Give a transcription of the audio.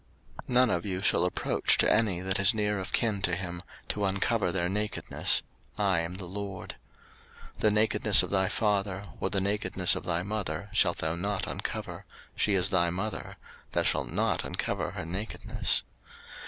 03:018:006 None of you shall approach to any that is near of kin to him, to uncover their nakedness: I am the LORD. 03:018:007 The nakedness of thy father, or the nakedness of thy mother, shalt thou not uncover: she is thy mother; thou shalt not uncover her nakedness.